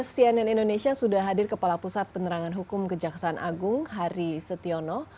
cnn indonesia sudah hadir kepala pusat penerangan hukum kejaksaan agung hari setiono